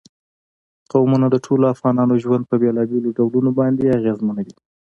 قومونه د ټولو افغانانو ژوند په بېلابېلو ډولونو باندې اغېزمنوي.